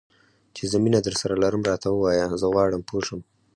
چې زه مینه درسره لرم؟ راته ووایه، زه غواړم پوه شم.